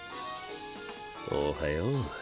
おはよう。